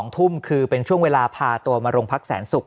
๒ทุ่มคือเป็นช่วงเวลาพาตัวมาโรงพักแสนศุกร์